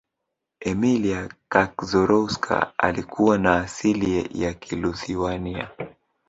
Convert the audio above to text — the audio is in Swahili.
emilia kaczorowska alikuwa na asili ya kiluthiwania